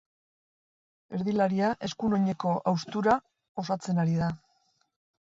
Erdilaria eskuin oineko haustura osatzen ari da.